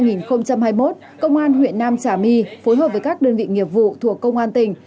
năm hai nghìn hai mươi một công an huyện nam trà my phối hợp với các đơn vị nghiệp vụ thuộc công an tỉnh